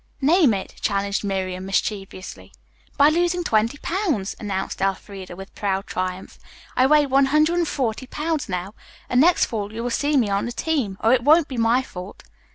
"Name it," challenged Miriam mischievously. "By losing twenty pounds," announced Elfreda, with proud triumph. "I weigh one hundred and forty pounds now, and next fall you will see me on the team, or it won't be my fault."